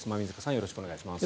よろしくお願いします。